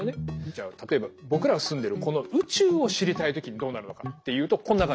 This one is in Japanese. じゃあ例えば僕らが住んでるこの宇宙を知りたい時にどうなるのかっていうとこんな感じです。